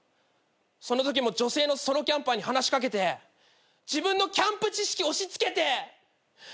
そのときも女性のソロキャンパーに話し掛けて自分のキャンプ知識押し付けて。